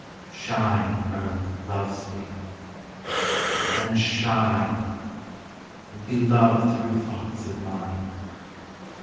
Shine, Earth loves thee! And then shine And be loved through thoughts of mine.